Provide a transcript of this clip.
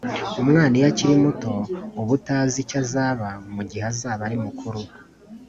Umwana iyo akiri muto uba utazi icyo azaba mugihe azaba ari mukuru